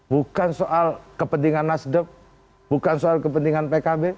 bukan soal kepentingan nasdem bukan soal kepentingan pkb